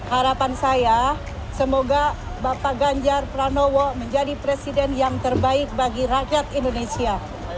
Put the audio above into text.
harapan saya semoga bapak ganjar pranowo menjadi presiden yang terbaik bagi rakyat indonesia